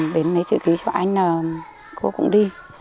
đến lấy chữ ký cho anh là cô cũng đi